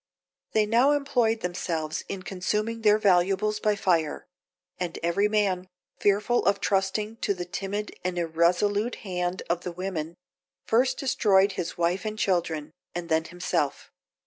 They now employed themselves in consuming their valuables by fire; and every man, fearful of trusting to the timid and irresolute hand of the women, first destroyed his wife and children, and then himself.